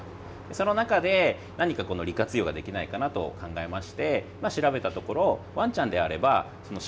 その中で、何か利活用ができないかなと考えまして調べたところワンちゃんであれば鹿